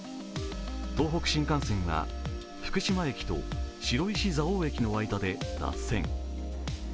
東北新幹線は福島駅と白石蔵王駅の間で脱線。